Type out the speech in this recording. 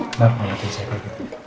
kenapa ngeliatin saya begitu